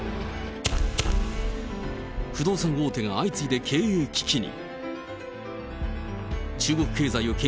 不動産大手が相次いで経営危機に。